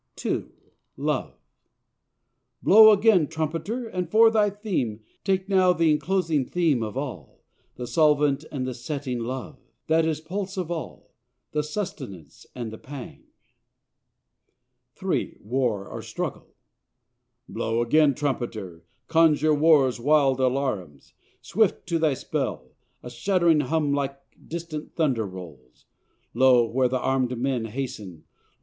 [II. "LOVE"] "Blow again, trumpeter! and for thy theme Take now the enclosing theme of all the solvent and the setting; Love, that is pulse of all the sustenance and the pang;" [III. "WAR OR STRUGGLE"] "Blow again, trumpeter conjure war's wild alarums. "Swift to thy spell, a shuddering hum like distant thunder rolls; Lo! where the arm'd men hasten Lo!